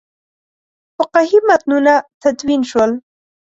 فقهي متنونه تدوین شول.